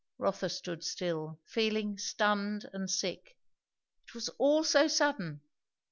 Rotha stood still, feeling stunned and sick. It was all so sudden.